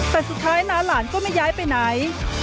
แต่สุดท้ายน้าหลานก็ไม่ย้ายไปไหน